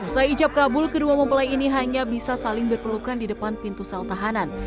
usai ijab kabul kedua mempelai ini hanya bisa saling berpelukan di depan pintu sel tahanan